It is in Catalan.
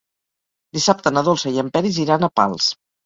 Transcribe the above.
Dissabte na Dolça i en Peris iran a Pals.